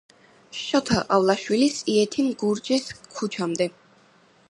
შოთა ყავლაშვილის იეთიმ გურჯის ქუჩამდე.